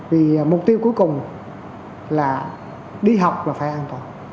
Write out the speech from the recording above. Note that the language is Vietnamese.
vì mục tiêu cuối cùng là đi học là phải an toàn